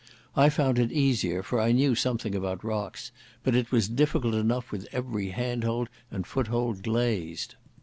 I found it easier, for I knew something about rocks, but it was difficult enough with every handhold and foothold glazed.